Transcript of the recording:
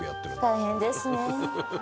大変ですねえ